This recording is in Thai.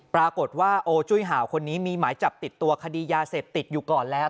ปรากฏว่าโอจุ้ยห่าวคนนี้มีหมายจับติดตัวคดียาเสพติดอยู่ก่อนแล้ว